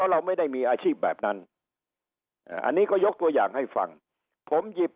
เราไม่ได้มีอาชีพแบบนั้นอันนี้ก็ยกตัวอย่างให้ฟังผมหยิบ